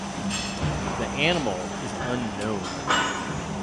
The animal is unknown.